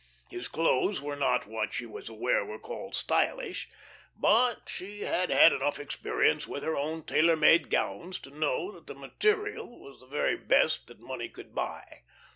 His clothes were not what she was aware were called "stylish," but she had had enough experience with her own tailor made gowns to know that the material was the very best that money could buy.